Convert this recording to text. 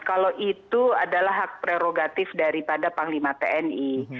kalau itu adalah hak prerogatif daripada panglima tni